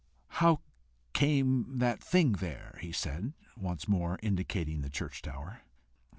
"How came the thing there?" he said, once more indicating the church tower.